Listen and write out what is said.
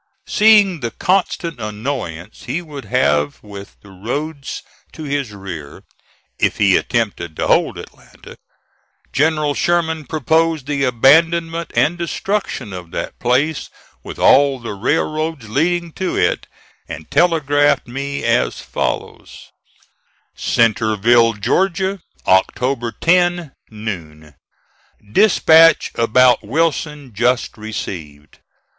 Seeing the constant annoyance he would have with the roads to his rear if he attempted to hold Atlanta, General Sherman proposed the abandonment and destruction of that place, with all the railroads leading to it, and telegraphed me as follows: "CENTREVILLE, GEORGIA", October 10 noon. "Dispatch about Wilson just received.